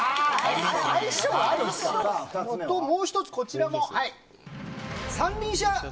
もう１つ、こちらも。